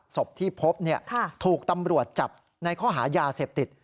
ศพที่พบถูกตำรวจจับในข้อหายาเสพติด